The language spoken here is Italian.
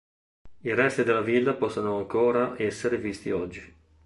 I resti della villa possono ancora essere visti oggi.